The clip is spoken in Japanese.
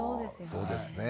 そうですね。